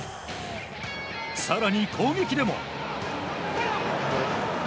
更に攻撃でも。